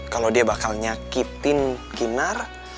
kalau dia bakal nyakitin kinar